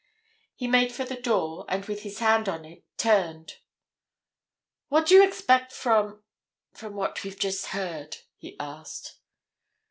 He made for the door, and with his hand on it, turned. "What do you expect from—from what we've just heard?" he asked.